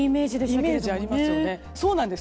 イメージありますよね。